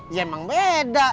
ya emang beda